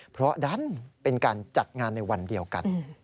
เพราะดันเป็นการจัดงานในวันเดียวกัน